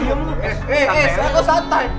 eh aku santai